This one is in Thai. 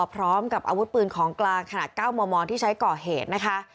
พร้อมกับอาวุธปืนของกลางขนาด๙มมที่ใช้ก่อเหตุนะคะ